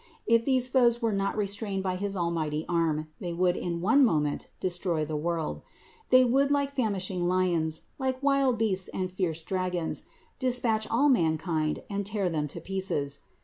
If these foes were not restrained by his almighty arm they would in one moment destroy the world; they would like fam ishing lions, like wild beasts and fierce dragons, despatch all mankind and tear them to pieces.